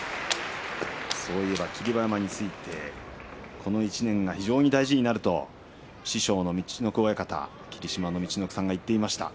そういえば霧馬山についてこの１年が非常に大事になると師匠の陸奥親方霧島の陸奥さんが言っていました。